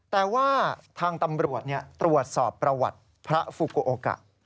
แต่ว่าทางตำรวจตรวจสอบประวัติพระฟูโกโอกะ